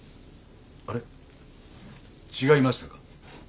あれ違いましたか？